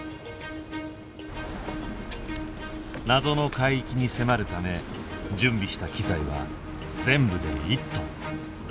謎の海域に迫るため準備した機材は全部で１トン。